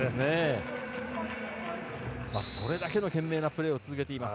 それだけの懸命なプレーを続けています。